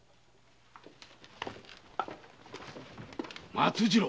松次郎！